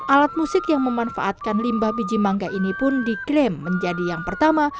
alat musik yang memanfaatkan limbah biji mangga ini pun diklaim menjadi yang pertama